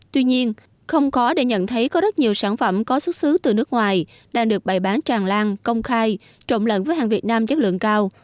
tuy nhiên không khó để nhận thấy có rất nhiều sản phẩm có xuất xứ từ nước ngoài đang được bày bán tràn lan công khai trộn lẫn với hàng việt nam chất lượng cao